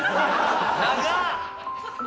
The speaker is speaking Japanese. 長っ！